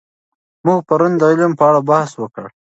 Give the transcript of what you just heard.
موږ پرون د علم په اړه بحث وکړ.